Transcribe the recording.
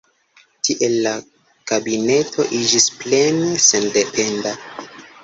Tiel la kabineto iĝis plene sendependa.